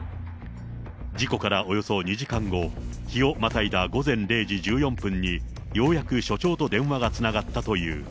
事故からおよそ２時間後、日をまたいだ午前０時１４分に、ようやく署長と電話がつながったという。